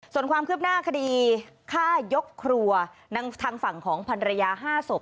ส่วนความคืบหน้าคดีฆ่ายกครัวทางฝั่งของพันรยา๕ศพ